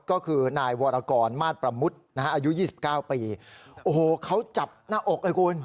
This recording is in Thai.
ก็คือนายวรกรมาสประมุทนะฮะอายุยี่สิบเก้าปีโอ้โหเขาจับหน้าอกเลยคุณ